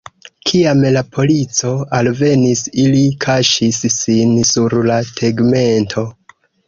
Kiam la polico alvenis, ili kaŝis sin sur la tegmento.